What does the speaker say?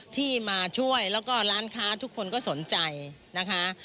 ที่มาช่วยแล้วก็ร้านค้าทุกคนก็สนใจนะคะ